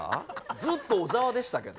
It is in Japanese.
ずっと小沢でしたけど。